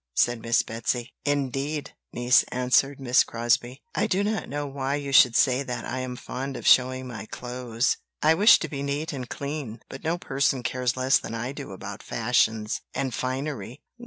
said Miss Betsy. "Indeed, niece," answered Miss Crosbie, "I do not know why you should say that I am fond of showing my clothes. I wish to be neat and clean, but no person cares less than I do about fashions and finery."